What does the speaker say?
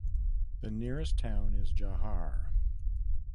The nearest town is Jawhar.